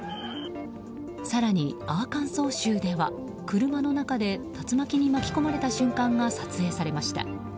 更にアーカンソー州では車の中で竜巻に巻き込まれた瞬間が撮影されました。